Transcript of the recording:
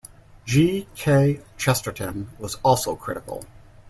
G. K. Chesterton was also critical.